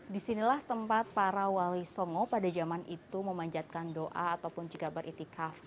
disinilah tempat para wali songo pada zaman itu memanjatkan doa ataupun juga beriktikaf